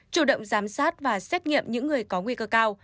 chủ động giám sát và xét nghiệm những người có nguy cơ cao